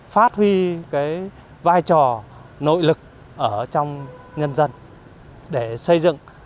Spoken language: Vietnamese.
phát huy cái vai trò nội lực ở trong nhân dân để xây dựng